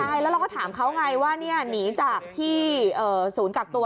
ใช่แล้วเราก็ถามเขาไงว่าหนีจากที่ศูนย์กักตัว